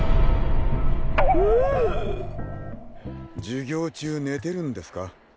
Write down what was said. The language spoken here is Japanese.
授業中寝てるんですか？